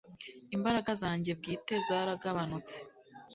Imbaraga zanjye bwite zaragabanutse